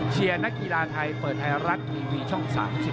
นักกีฬาไทยเปิดไทยรัฐทีวีช่อง๓๒